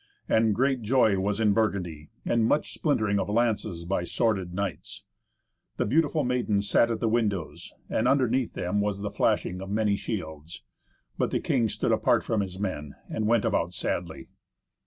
And great joy was in Burgundy, and much splintering of lances by sworded knights. The beautiful maidens sat at the windows, and underneath them was the flashing of many shields. But the king stood apart from his men, and went about sadly.